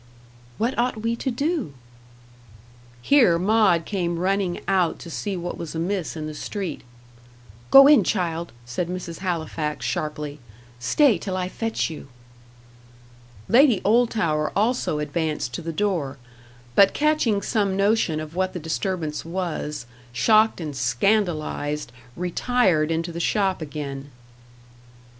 "What ought we to do?" Here Maud came running out to see what was amiss in the street. "Go in, child," said Mrs. Halifax, sharply. "Stay till I fetch you." Lady Oldtower also advanced to the door; but catching some notion of what the disturbance was, shocked and scandalised, retired into the shop again.